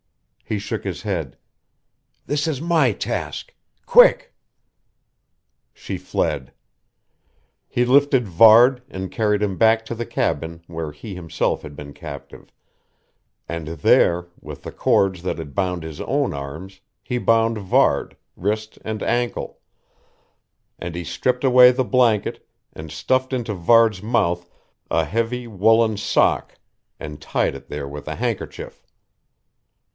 He shook his head. "This is my task. Quick." She fled.... He lifted Varde and carried him back to the cabin where he himself had been captive; and there, with the cords that had bound his own arms, he bound Varde, wrist and ankle; and he stripped away the blanket, and stuffed into Varde's mouth a heavy, woolen sock, and tied it there with a handkerchief....